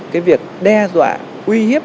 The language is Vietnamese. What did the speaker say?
cái việc đe dọa uy hiếp